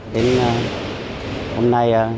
đến hôm nay